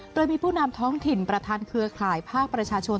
โดยมีผู้นำท้องถิ่นประธานเครือข่ายภาคประชาชน